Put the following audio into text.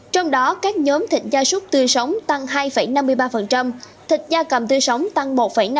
trong đó các nhóm thịt gia súc tươi sống tăng hai năm mươi ba thịt da cầm tươi sống tăng một năm mươi